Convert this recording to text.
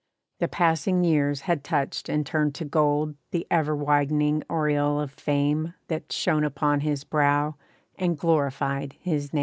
The passing years had touched and turned to gold The ever widening aureole of fame That shone upon his brow, and glorified his name.